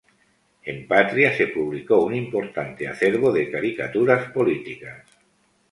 En Patria se publicó un importante acervo de caricaturas políticas.